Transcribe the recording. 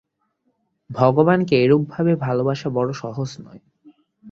ভগবানকে এরূপভাবে ভালবাসা বড় সহজ নয়।